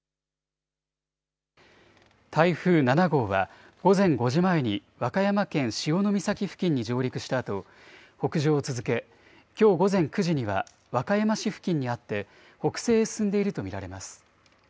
台風７号は、午前５時前に和歌山県潮岬付近に上陸したあと、北上を続け、きょう午前９時には、和歌山市付近にあって北西へ進んでいると見られます。